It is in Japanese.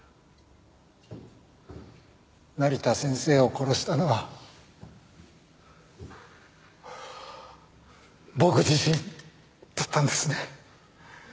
成田先生を殺したのは僕自身だったんですね。